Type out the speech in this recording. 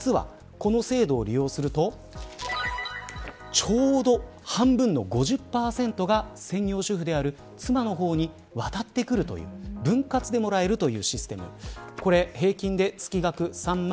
ちょうど半分の５０％が専業主婦である妻の方に渡ってくるという分割でもらえるシステム。